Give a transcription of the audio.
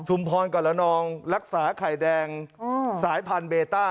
พรกับละนองรักษาไข่แดงสายพันธุเบต้า